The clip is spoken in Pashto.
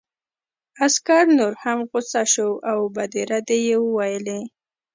عسکر نور هم غوسه شو او بدې ردې یې وویلې